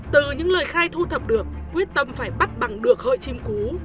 từ những lời khai thu thập được quyết tâm phải bắt bằng được hợi chim cú